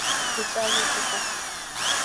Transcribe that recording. Еҵәазаҵәыкоуп…